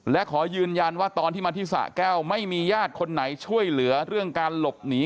และขอยืนยันว่าตอนที่มาที่สะแก้วไม่มีญาติคนไหนช่วยเหลือเรื่องการหลบหนี